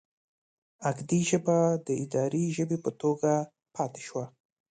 اکدي ژبه د اداري ژبې په توګه پاتې شوه.